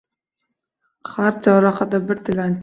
Har chorrahada bir tilanchi